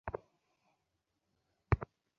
কোমরেও টান দেয় মাঝে মাঝে।